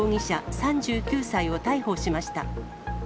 ３９歳を逮捕しました。